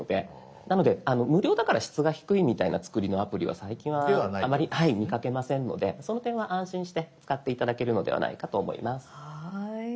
なので無料だから質が低いみたいな作りのアプリは最近はあまり見かけませんのでその点は安心して使って頂けるのではないかと思います。